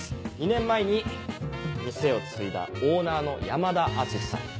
２年前に店を継いだオーナーの山田淳司さん。